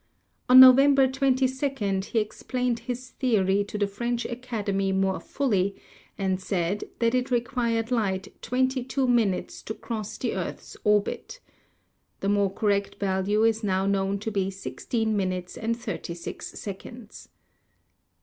On November 22 he explained his theory to the French Academy more fully, and said that it required light 22 minutes to cross the earth's orbit. (The more correct value is now known to be 16 minutes and 36 seconds.)